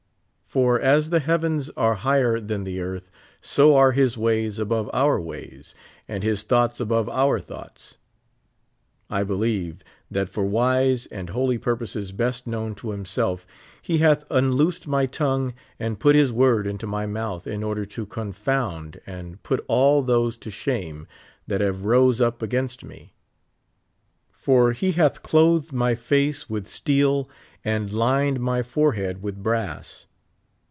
" For as the heavens are higher than the earth, so are his ways above our ways, and his thoughts above our thoughts." I believe, tliat for wise, and holy purposes best known to himself, lie hath unloosed my tongue and put his word into my mouth in order to confound and put. all those to shame that have rose up against me. For he hath clothed my face with steel and lined my forehead with brass.